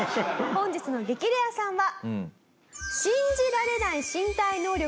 本日の激レアさんは。